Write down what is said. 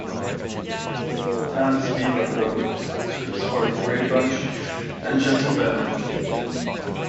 Tam Spiva wrote scripts for "The Brady Bunch" and "Gentle Ben".